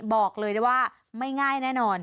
บอกเลยได้ว่าไม่ง่ายแน่นอน